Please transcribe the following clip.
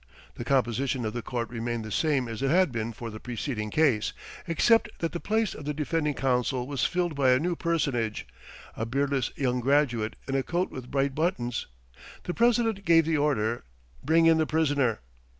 The composition of the court remained the same as it had been for the preceding case, except that the place of the defending counsel was filled by a new personage, a beardless young graduate in a coat with bright buttons. The president gave the order "Bring in the prisoner!"